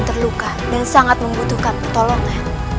terluka dan sangat membutuhkan pertolongan